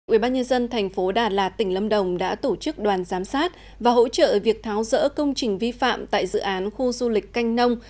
ubnd tp đà lạt tỉnh lâm đồng đã tổ chức đoàn giám sát và hỗ trợ việc tháo rỡ công trình vi phạm tại dự án khu du lịch canh nông